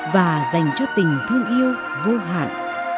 và dành cho tình thương yêu vô hạn